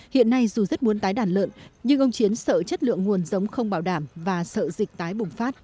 hiện nay dù rất muốn tái đàn lợn nhưng ông chiến sợ chất lượng nguồn giống không bảo đảm và sợ dịch tái bùng phát